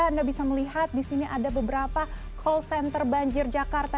anda bisa melihat di sini ada beberapa call center banjir jakarta